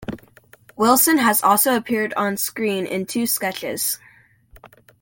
Wilson has also appeared on-screen in two sketches.